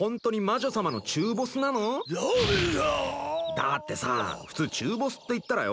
だってさあ普通中ボスっていったらよ？